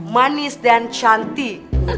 manis dan cantik